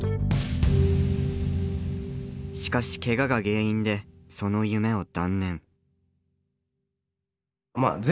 しかしケガが原因でその夢を断念。